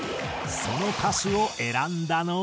その歌手を選んだのは。